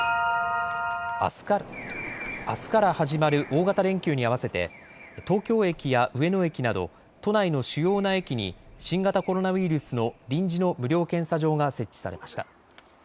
あすから始まる大型連休に合わせて東京駅や上野駅など都内の主要な駅に新型コロナウイルスの臨時の無料検査場が設置されました。